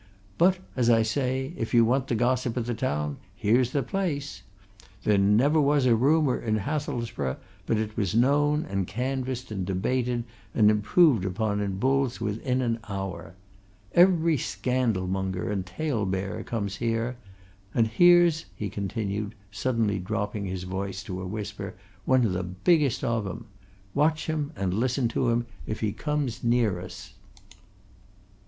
But as I say, if you want the gossip of the town, here's the place! There never was a rumour in Hathelsborough but it was known and canvassed and debated and improved upon in Bull's, within an hour. Every scandalmonger and talebearer comes here and here's," he continued, suddenly dropping his voice to a whisper, "one of the biggest of 'em watch him, and listen to him, if he comes near us.